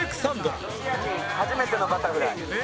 ロシア人初めてのバタフライ。